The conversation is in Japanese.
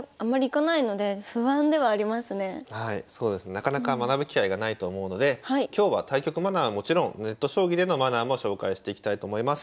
なかなか学ぶ機会がないと思うので今日は対局マナーはもちろんネット将棋でのマナーも紹介していきたいと思います。